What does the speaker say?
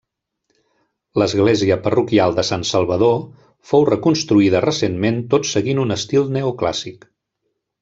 L'església parroquial de Sant Salvador fou reconstruïda recentment tot seguint un estil neoclàssic.